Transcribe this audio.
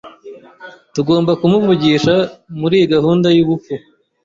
Tugomba kumuvugisha muriyi gahunda yubupfu.